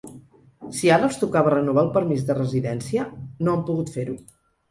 Si ara els tocava renovar el permís de residència, no han pogut fer-ho.